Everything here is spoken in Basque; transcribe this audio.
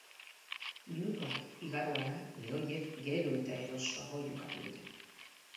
Minutuak igaro ahala, lehoiek gero eta erosoago jokatu dute.